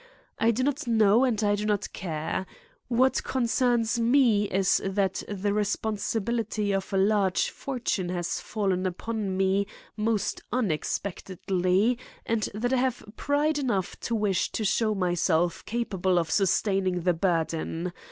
I do not know and I do not care. What concerns me is that the responsibility of a large fortune has fallen upon me most unexpectedly and that I have pride enough to wish to show myself capable of sustaining the burden.